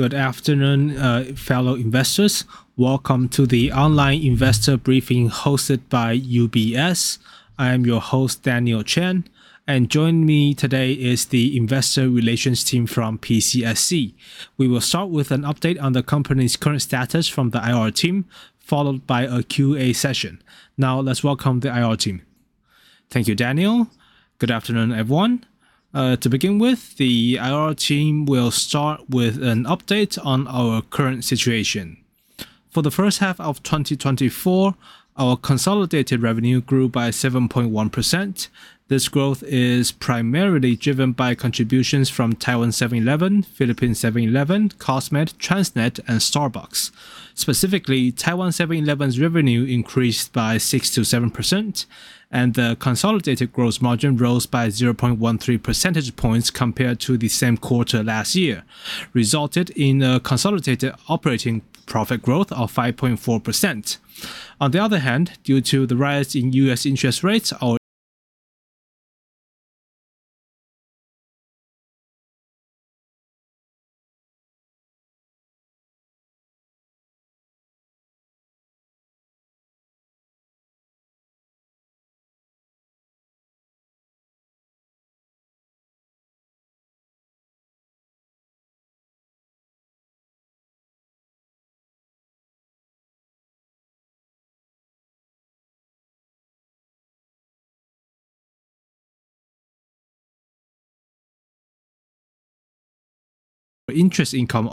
Good afternoon, fellow investors. Welcome to the online investor briefing hosted by UBS. I am your host, Daniel Chen, and joining me today is the investor relations team from PCSC. We will start with an update on the company's current status from the IR team, followed by a Q&A session. Let's welcome the IR team. Thank you, Daniel. Good afternoon, everyone. To begin with, the IR team will start with an update on our current situation. For the first half of 2024, our consolidated revenue grew by seven point one percent. This growth is primarily driven by contributions from Taiwan 7-Eleven, Philippine 7-Eleven, Cosmed, TransNet, and Starbucks. Specifically, Taiwan 7-Eleven's revenue increased by six to seven percent, and the consolidated gross margin rose by zero point one three percentage points compared to the same quarter last year, resulting in a consolidated operating profit growth of five point four percent. On the other hand, due to the rise in US interest rates, our interest income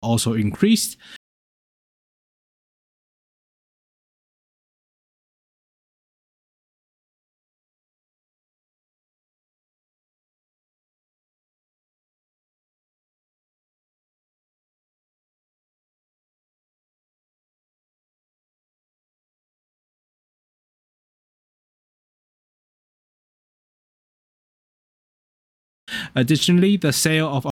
also increased. The sale of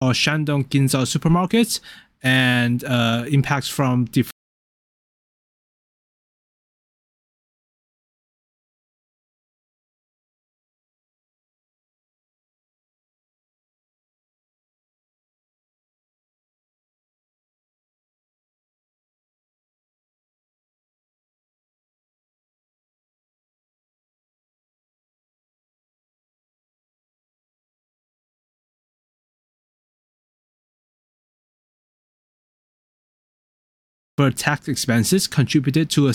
our Shandong Ginza supermarkets and impacts from different tax expenses contributed to a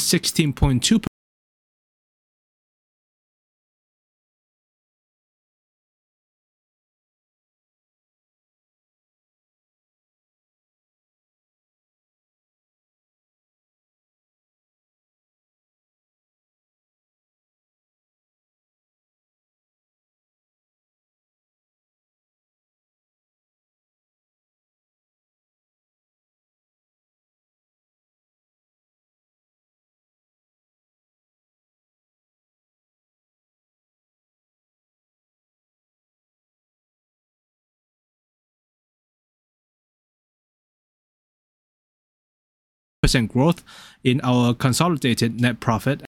16.2% growth in our consolidated net profit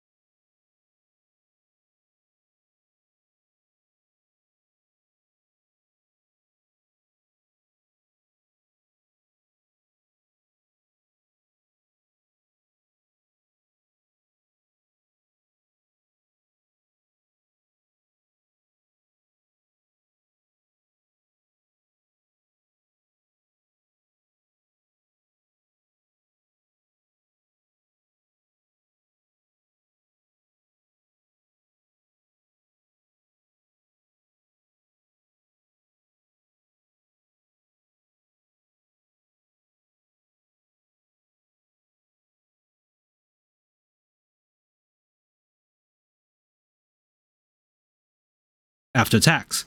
after tax.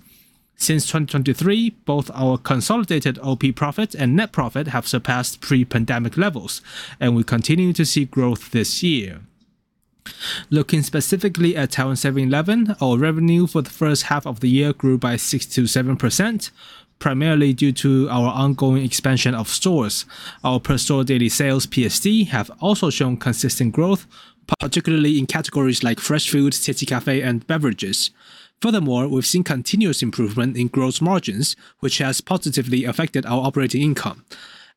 Since 2023, both our consolidated OP profit and net profit have surpassed pre-pandemic levels, and we continue to see growth this year. Looking specifically at Taiwan 7-Eleven, our revenue for the first half of the year grew by six to seven, primarily due to our ongoing expansion of stores. Our per store daily sales, PSD, have also shown consistent growth, particularly in categories like Fresh Food, City Cafe, and beverages. We've seen continuous improvement in gross margins, which has positively affected our operating income.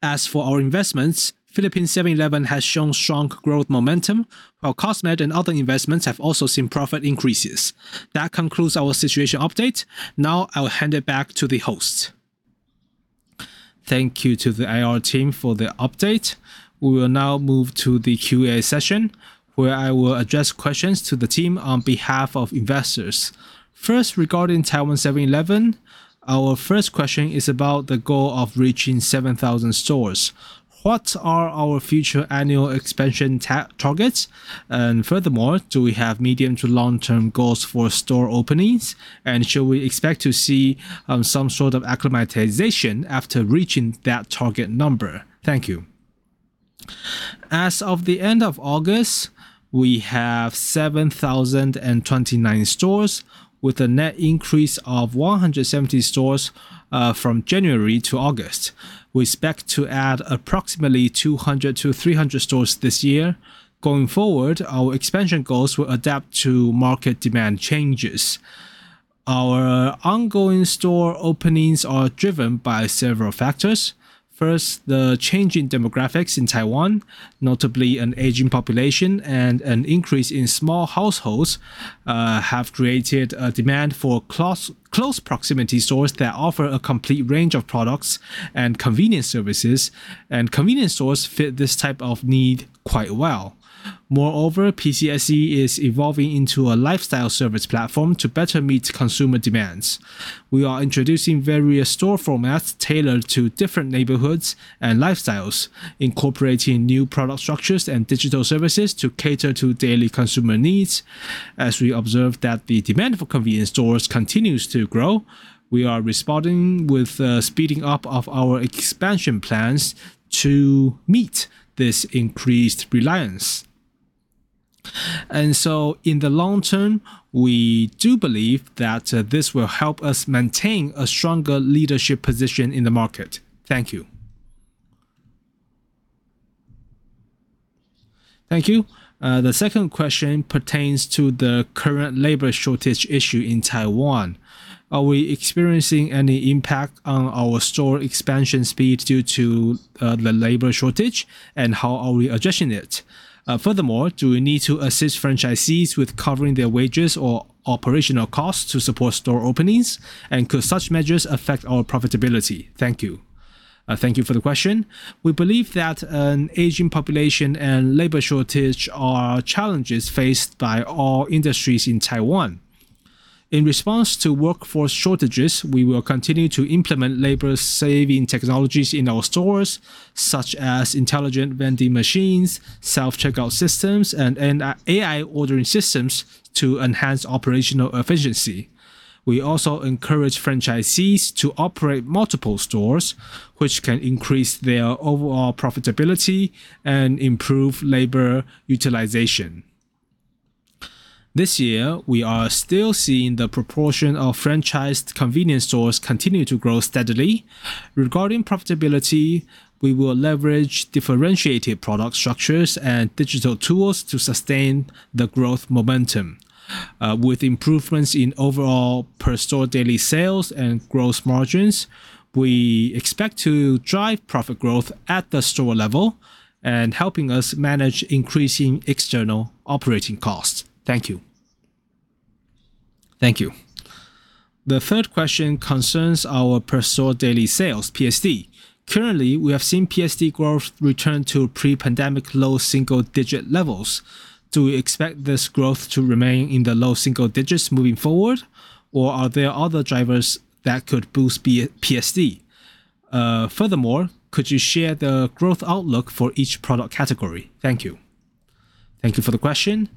As for our investments, Philippine 7-Eleven has shown strong growth momentum, while Cosmed and other investments have also seen profit increases. That concludes our situation update. Now, I'll hand it back to the host. Thank you to the IR team for the update. We will now move to the Q&A session, where I will address questions to the team on behalf of investors. First, regarding Taiwan 7-Eleven, our first question is about the goal of reaching 7,000 stores. What are our future annual expansion targets? Furthermore, do we have medium to long-term goals for store openings? Should we expect to see some sort of acclimatization after reaching that target number? Thank you. As of the end of August, we have 7,029 stores, with a net increase of 170 stores from January to August. We expect to add approximately 200 to 300 stores this year. Going forward, our expansion goals will adapt to market demand changes. Our ongoing store openings are driven by several factors. The changing demographics in Taiwan, notably an aging population and an increase in small households, have created a demand for close proximity stores that offer a complete range of products and convenient services, and convenience stores fit this type of need quite well. PCSC is evolving into a lifestyle service platform to better meet consumer demands. We are introducing various store formats tailored to different neighborhoods and lifestyles, incorporating new product structures and digital services to cater to daily consumer needs. We observe that the demand for convenience stores continues to grow, we are responding with a speeding up of our expansion plans to meet this increased reliance. In the long term, we do believe that this will help us maintain a stronger leadership position in the market. Thank you. Thank you. The second question pertains to the current labor shortage issue in Taiwan. Are we experiencing any impact on our store expansion speed due to the labor shortage, and how are we addressing it? Do we need to assist franchisees with covering their wages or operational costs to support store openings? Could such measures affect our profitability? Thank you. Thank you for the question. We believe that an aging population and labor shortage are challenges faced by all industries in Taiwan. In response to workforce shortages, we will continue to implement labor-saving technologies in our stores, such as intelligent vending machines, self-checkout systems, and AI ordering systems to enhance operational efficiency. We also encourage franchisees to operate multiple stores, which can increase their overall profitability and improve labor utilization. This year, we are still seeing the proportion of franchised convenience stores continue to grow steadily. Regarding profitability, we will leverage differentiated product structures and digital tools to sustain the growth momentum. With improvements in overall per-store daily sales and growth margins, we expect to drive profit growth at the store level and helping us manage increasing external operating costs. Thank you. Thank you. The third question concerns our per-store daily sales, PSD. Currently, we have seen PSD growth return to pre-pandemic low single-digit levels. Do we expect this growth to remain in the low single digits moving forward, or are there other drivers that could boost PSD? Could you share the growth outlook for each product category? Thank you. Thank you for the question.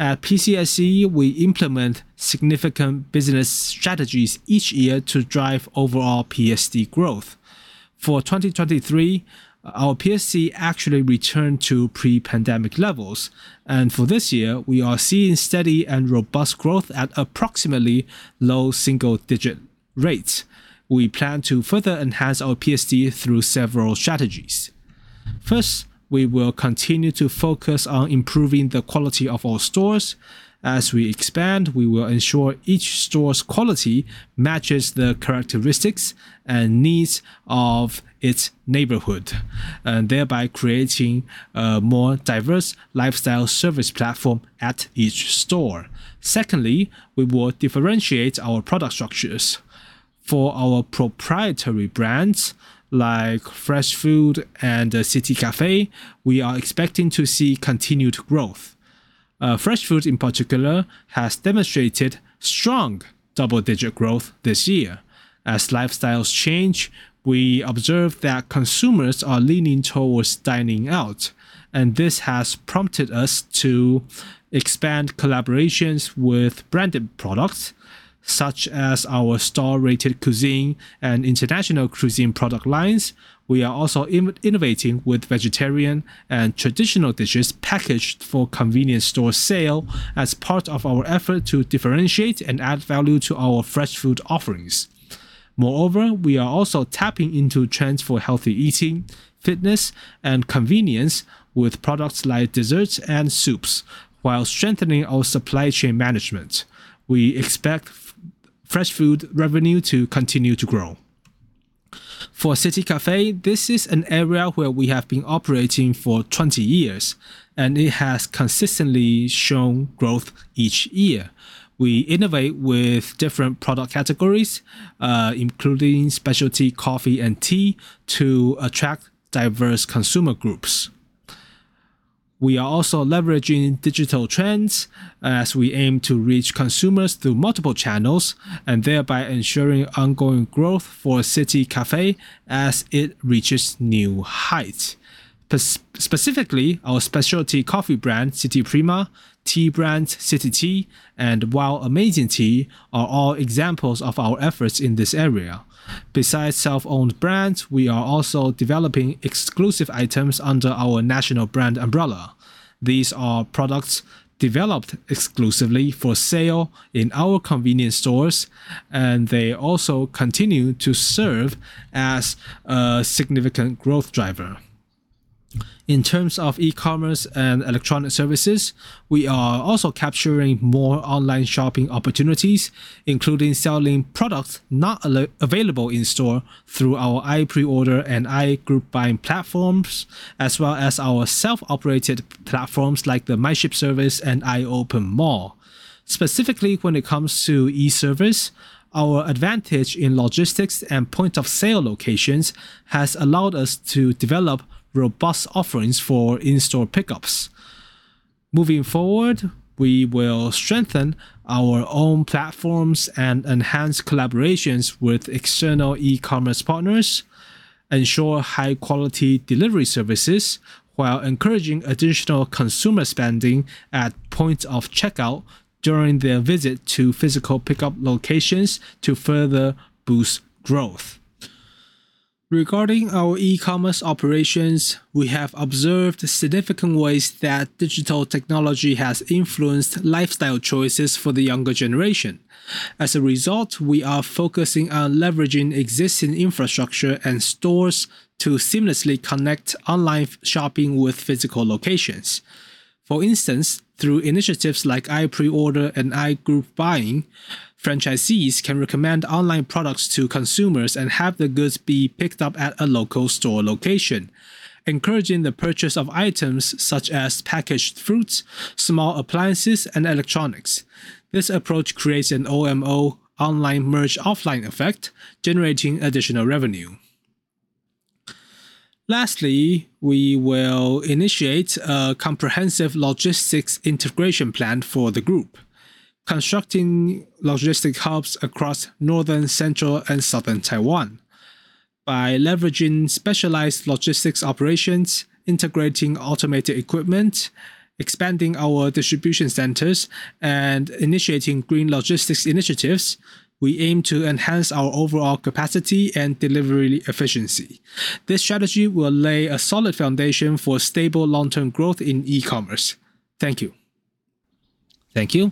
At PCSC, we implement significant business strategies each year to drive overall PSD growth. For 2023, our PSD actually returned to pre-pandemic levels. For this year, we are seeing steady and robust growth at approximately low single-digit rates. We plan to further enhance our PSD through several strategies. First, we will continue to focus on improving the quality of our stores. As we expand, we will ensure each store's quality matches the characteristics and needs of its neighborhood, thereby creating a more diverse lifestyle service platform at each store. Secondly, we will differentiate our product structures. For our proprietary brands like Fresh Food and City Cafe, we are expecting to see continued growth. Fresh Food, in particular, has demonstrated strong double-digit growth this year. As lifestyles change, we observe that consumers are leaning towards dining out, and this has prompted us to expand collaborations with branded products, such as our star-rated cuisine and international cuisine product lines. We are also innovating with vegetarian and traditional dishes packaged for convenience store sale as part of our effort to differentiate and add value to our Fresh Food offerings. Moreover, we are also tapping into trends for healthy eating, fitness, and convenience with products like desserts and soups while strengthening our supply chain management. We expect Fresh Food revenue to continue to grow. For City Cafe, this is an area where we have been operating for 20 years, and it has consistently shown growth each year. We innovate with different product categories, including specialty coffee and tea, to attract diverse consumer groups. We are also leveraging digital trends as we aim to reach consumers through multiple channels, and thereby ensuring ongoing growth for City Cafe as it reaches new heights. Specifically, our specialty coffee brand, CITY PRIMA, tea brand, CITY TEA, and Wow Amazing Tea are all examples of our efforts in this area. Besides self-owned brands, we are also developing exclusive items under our national brand umbrella. These are products developed exclusively for sale in our convenience stores, and they also continue to serve as a significant growth driver. In terms of e-commerce and electronic services, we are also capturing more online shopping opportunities, including selling products not available in-store through our iPreorder and iGroup-buying platforms, as well as our self-operated platforms like the MyShip service and iOPEN Mall. Specifically, when it comes to e-service, our advantage in logistics and point-of-sale locations has allowed us to develop robust offerings for in-store pickups. Moving forward, we will strengthen our own platforms and enhance collaborations with external e-commerce partners, ensure high-quality delivery services, while encouraging additional consumer spending at point of checkout during their visit to physical pickup locations to further boost growth. Regarding our e-commerce operations, we have observed significant ways that digital technology has influenced lifestyle choices for the younger generation. As a result, we are focusing on leveraging existing infrastructure and stores to seamlessly connect online shopping with physical locations. For instance, through initiatives like iPreorder and iGroup-buying, franchisees can recommend online products to consumers and have the goods be picked up at a local store location, encouraging the purchase of items such as packaged fruits, small appliances, and electronics. This approach creates an OMO, online merge offline effect, generating additional revenue. Lastly, we will initiate a comprehensive logistics integration plan for the group, constructing logistic hubs across northern, central, and southern Taiwan. By leveraging specialized logistics operations, integrating automated equipment, expanding our distribution centers, and initiating green logistics initiatives, we aim to enhance our overall capacity and delivery efficiency. This strategy will lay a solid foundation for stable long-term growth in e-commerce. Thank you. Thank you.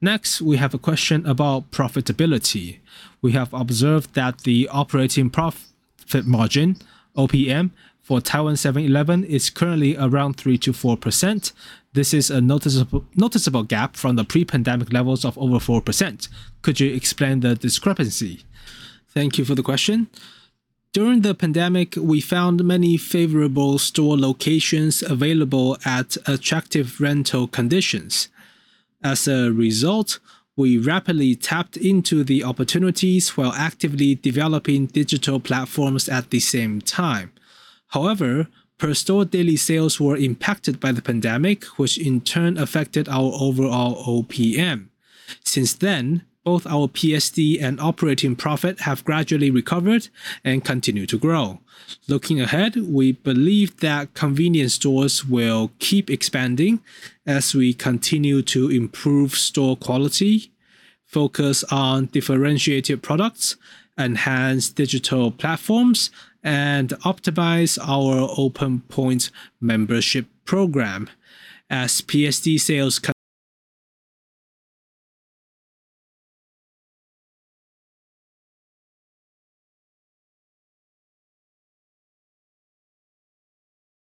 Next, we have a question about profitability. We have observed that the operating profit margin, OPM, for Taiwan 7-Eleven is currently around three to four percent This is a noticeable gap from the pre-pandemic levels of over four percent. Could you explain the discrepancy? Thank you for the question. During the pandemic, we found many favorable store locations available at attractive rental conditions. As a result, we rapidly tapped into the opportunities while actively developing digital platforms at the same time. However, per store daily sales were impacted by the pandemic, which in turn affected our overall OPM. Since then, both our PSD and operating profit have gradually recovered and continue to grow. Looking ahead, we believe that convenience stores will keep expanding as we continue to improve store quality, focus on differentiated products, enhance digital platforms, and optimize our OPEN POINT membership program. As PSD sales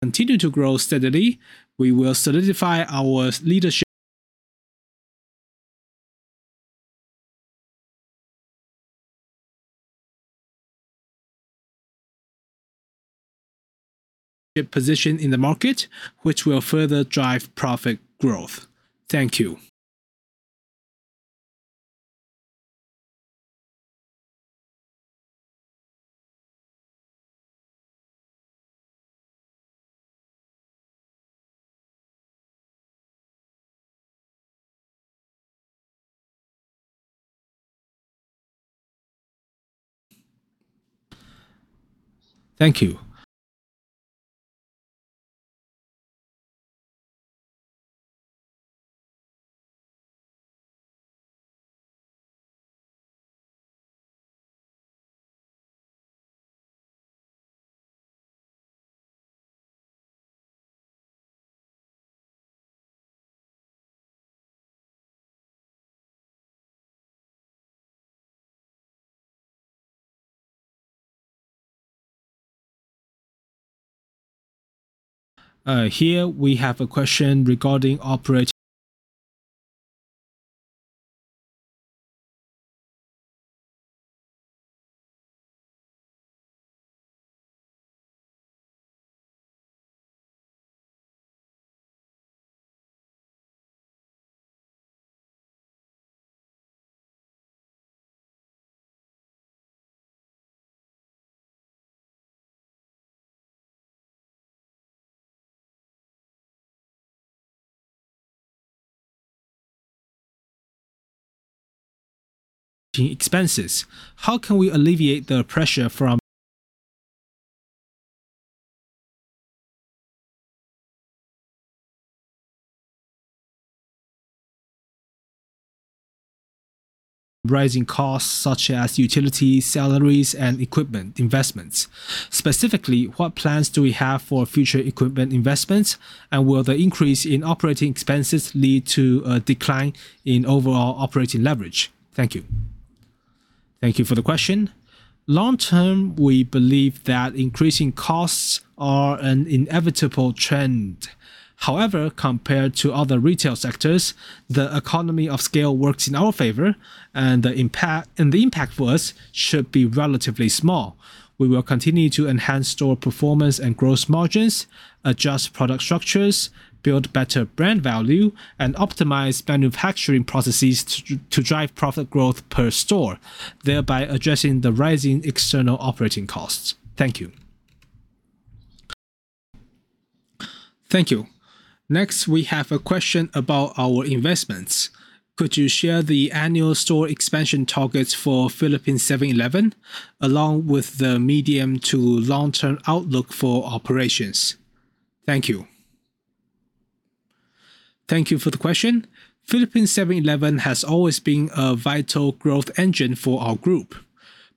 continue to grow steadily, we will solidify our leadership position in the market, which will further drive profit growth. Thank you. Thank you. Here we have a question regarding operating expenses. How can we alleviate the pressure from rising costs such as utilities, salaries, and equipment investments? Specifically, what plans do we have for future equipment investments, and will the increase in operating expenses lead to a decline in overall operating leverage? Thank you. Thank you for the question. Long-term, we believe that increasing costs are an inevitable trend. However, compared to other retail sectors, the economy of scale works in our favor, and the impact for us should be relatively small. We will continue to enhance store performance and gross margins, adjust product structures, build better brand value, and optimize manufacturing processes to drive profit growth per store, thereby addressing the rising external operating costs. Thank you. Thank you. We have a question about our investments. Could you share the annual store expansion targets for Philippine 7-Eleven, along with the medium to long-term outlook for operations? Thank you. Thank you for the question. Philippine 7-Eleven has always been a vital growth engine for our group.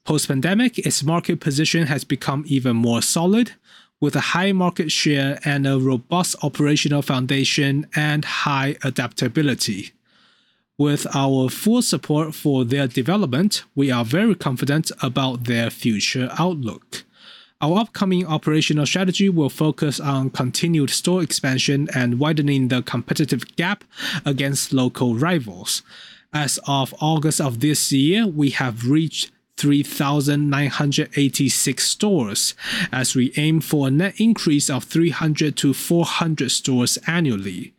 Post-pandemic, its market position has become even more solid, with a high market share and a robust operational foundation and high adaptability. With our full support for their development, we are very confident about their future outlook. Our upcoming operational strategy will focus on continued store expansion and widening the competitive gap against local rivals. As of August of this year, we have reached 3,986 stores as we aim for a net increase of 300 to 400 stores annually.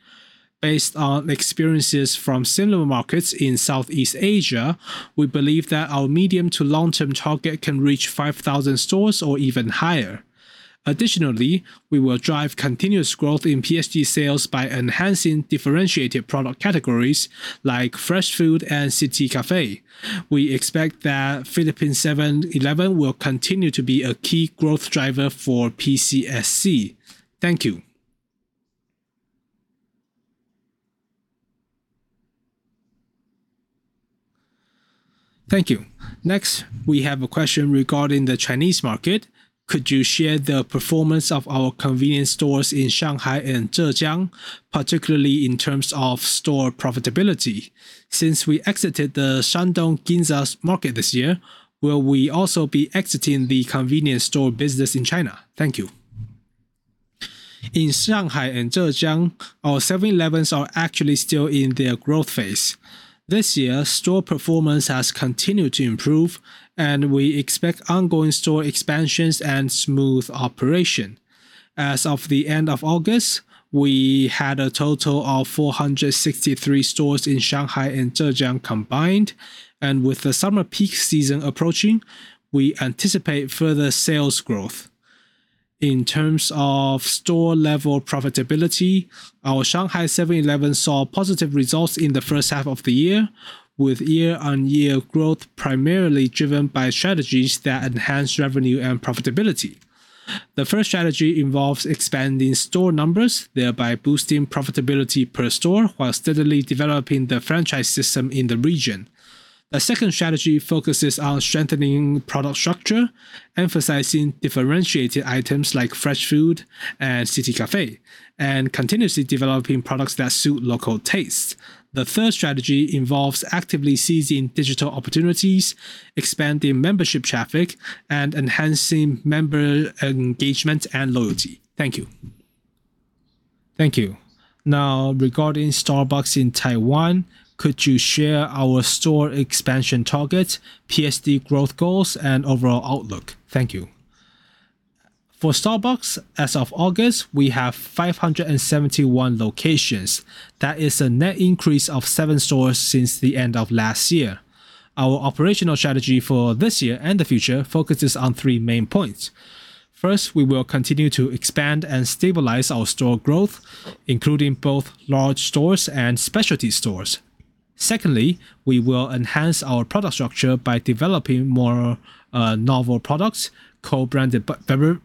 Based on experiences from similar markets in Southeast Asia, we believe that our medium to long-term target can reach 5,000 stores or even higher. Additionally, we will drive continuous growth in PSD sales by enhancing differentiated product categories like Fresh Food and City Cafe. We expect that Philippine 7-Eleven will continue to be a key growth driver for PCSC. Thank you. Thank you. Next, we have a question regarding the Chinese market. Could you share the performance of our convenience stores in Shanghai and Zhejiang, particularly in terms of store profitability? Since we exited the Shandong Ginza market this year, will we also be exiting the convenience store business in China? Thank you. In Shanghai and Zhejiang, our 7-Elevens are actually still in their growth phase. This year, store performance has continued to improve, and we expect ongoing store expansions and smooth operation. As of the end of August, we had a total of 463 stores in Shanghai and Zhejiang combined. With the summer peak season approaching, we anticipate further sales growth. In terms of store-level profitability, our Shanghai 7-Eleven saw positive results in the first half of the year, with year-on-year growth primarily driven by strategies that enhance revenue and profitability. The first strategy involves expanding store numbers, thereby boosting profitability per store while steadily developing the franchise system in the region. The second strategy focuses on strengthening product structure, emphasizing differentiated items like Fresh Food and City Cafe, and continuously developing products that suit local tastes. The third strategy involves actively seizing digital opportunities, expanding membership traffic, and enhancing member engagement and loyalty. Thank you. Thank you. Regarding Starbucks in Taiwan, could you share our store expansion targets, PSD growth goals, and overall outlook? Thank you. For Starbucks, as of August, we have 571 locations. That is a net increase of seven stores since the end of last year. Our operational strategy for this year and the future focuses on three main points. First, we will continue to expand and stabilize our store growth, including both large stores and specialty stores. Secondly, we will enhance our product structure by developing more novel products, co-branded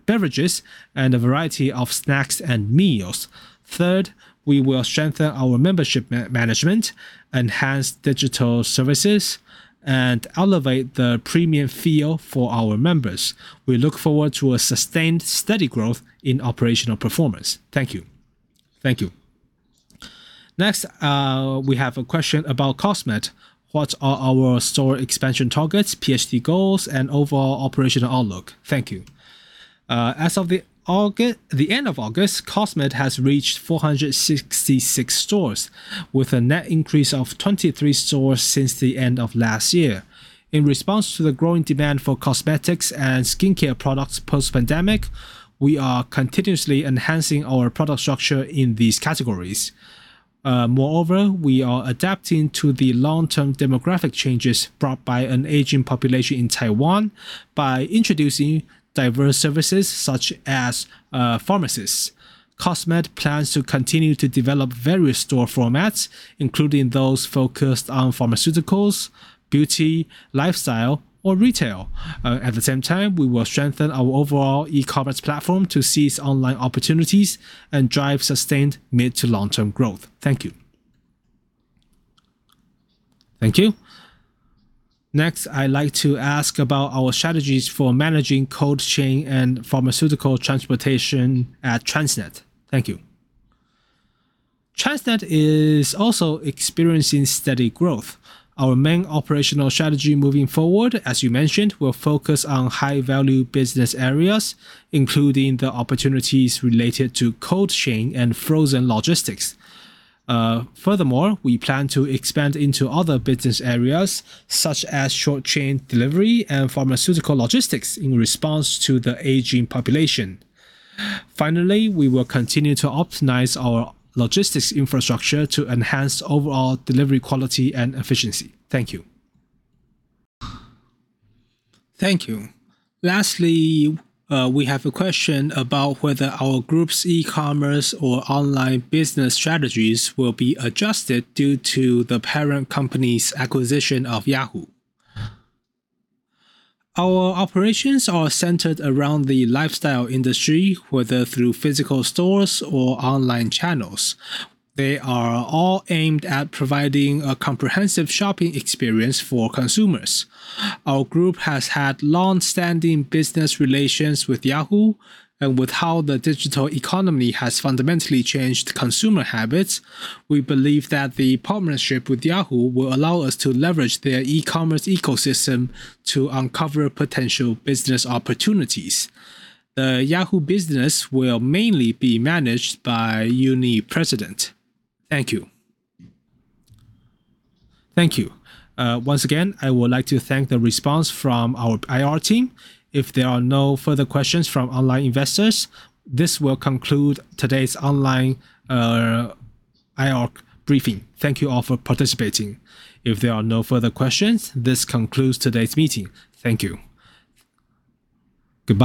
beverages, and a variety of snacks and meals. Third, we will strengthen our membership management, enhance digital services, and elevate the premium feel for our members. We look forward to a sustained, steady growth in operational performance. Thank you. Thank you. Next, we have a question about Cosmed. What are our store expansion targets, PSD goals, and overall operational outlook? Thank you. As of the end of August, Cosmed has reached 466 stores, with a net increase of 23 stores since the end of last year. In response to the growing demand for cosmetics and skincare products post-pandemic, we are continuously enhancing our product structure in these categories. Moreover, we are adapting to the long-term demographic changes brought by an aging population in Taiwan by introducing diverse services such as pharmacists. Cosmed plans to continue to develop various store formats, including those focused on pharmaceuticals, beauty, lifestyle, or retail. At the same time, we will strengthen our overall e-commerce platform to seize online opportunities and drive sustained mid to long-term growth. Thank you. Thank you. I'd like to ask about our strategies for managing cold chain and pharmaceutical transportation at TransNet. Thank you. TransNet is also experiencing steady growth. Our main operational strategy moving forward, as you mentioned, will focus on high-value business areas, including the opportunities related to cold chain and frozen logistics. We plan to expand into other business areas such as short chain delivery and pharmaceutical logistics in response to the aging population. We will continue to optimize our logistics infrastructure to enhance overall delivery quality and efficiency. Thank you. Thank you. Lastly, we have a question about whether our group's e-commerce or online business strategies will be adjusted due to the parent company's acquisition of Yahoo. Our operations are centered around the lifestyle industry, whether through physical stores or online channels. They are all aimed at providing a comprehensive shopping experience for consumers. Our group has had long-standing business relations with Yahoo. With how the digital economy has fundamentally changed consumer habits, we believe that the partnership with Yahoo will allow us to leverage their e-commerce ecosystem to uncover potential business opportunities. The Yahoo business will mainly be managed by Uni-President. Thank you. Thank you. Once again, I would like to thank the response from our IR team. If there are no further questions from online investors, this will conclude today's online IR briefing. Thank you all for participating. If there are no further questions, this concludes today's meeting. Thank you. Goodbye